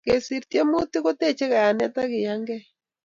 Kesir tiemutik ko techei kayanet ak keyangei